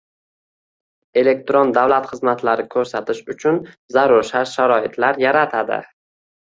elektron davlat xizmatlari ko‘rsatish uchun zarur shart-sharoitlar yaratadi